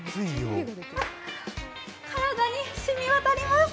体にしみ渡ります。